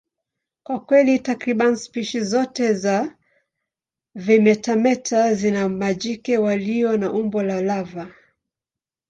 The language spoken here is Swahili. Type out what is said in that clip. Kwa kweli, takriban spishi zote za vimetameta zina majike walio na umbo la lava.